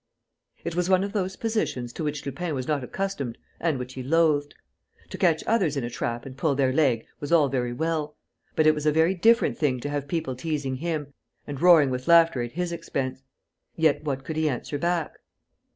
It was one of those positions to which Lupin was not accustomed and which he loathed. To catch others in a trap and pull their leg was all very well; but it was a very different thing to have people teasing him and roaring with laughter at his expense. Yet what could he answer back?